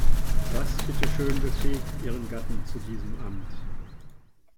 Was bitte schön befähigt ihren Gatten zu diesem Amt?